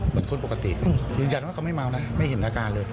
คนปกติยืนยันว่าเขาไม่เมานะไม่เห็นอาการเลย